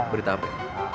berita apa ya